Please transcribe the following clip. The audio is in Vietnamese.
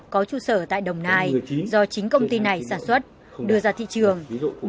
có trụ sở tại đồng nai do chính công ty này sản xuất đưa ra thị trường